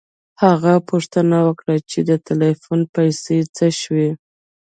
هغه پوښتنه وکړه چې د ټیلیفون پیسې څه شوې